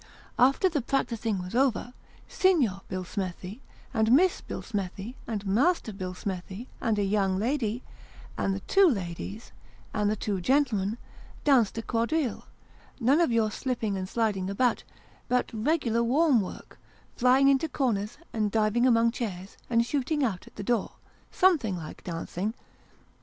After the practising was over, Signor Billsmethi, and Miss Billsmethi, and Master Bill smethi, and a young lady, and the two ladies, and the two gentlemen, danced a quadrille none of your slipping and sliding about, but regular warm work, flying into corners, and diving among chairs, and shooting out at the door, something like dancing